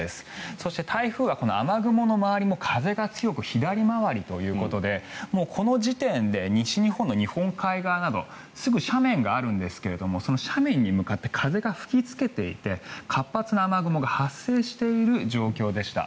そして台風はこの雨雲の周りも風が強く左回りということでこの時点で西日本の日本海側などすぐ斜面があるんですけどその斜面に向かって風が吹きつけていて活発な雨雲が発生している状況でした。